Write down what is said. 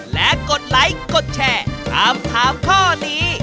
และกดไลค์กดแชร์ถามถามข้อนี้